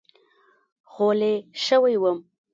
خولې شوی وم.